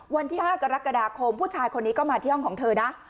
วันที่๕กรกฎาคมผู้ชายคนนี้ก็มาที่ห้องของเธอนะ